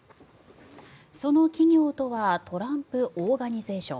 その企業とはトランプ・オーガニゼーション。